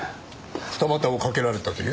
二股をかけられたという？